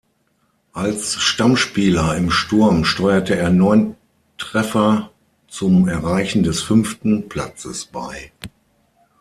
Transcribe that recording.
Als Stammspieler im Sturm steuerte er neun Treffern zum Erreichen des fünften Platzes bei.